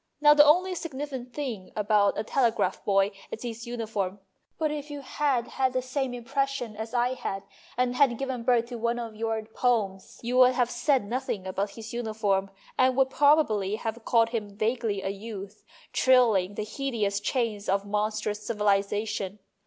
Now the only significant thing about a telegraph boy is his uniform, but if you had had the same impres sion as I had, and had given birth to one of your jDoems, you would have said nothing about his uniform and would probably have 276 MONOLOGUES called him vaguely a youth, trailing the hideous chains of a monstrous civilization.